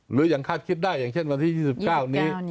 หรือยังคาดคิดได้อย่างเช่นวันที่๒๙นี้